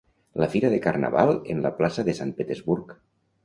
La fira de carnaval en la plaça de Sant Petersburg.